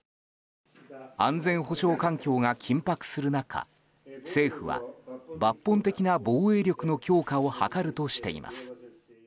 安全保障環境が緊迫する中政府は、抜本的な防衛力の強化を図るとしています。